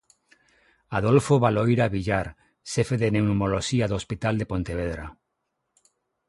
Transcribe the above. Adolfo Baloira Villar, xefe de Pneumoloxía do Hospital de Pontevedra.